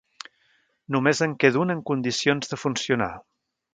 Només en queda un en condicions de funcionar.